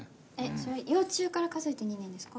それは幼虫から数えて２年ですか？